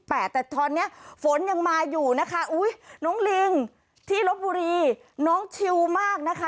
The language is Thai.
แต่ตอนนี้ฝนยังมาอยู่นะคะอุ้ยน้องลิงที่ลบบุรีน้องชิวมากนะคะ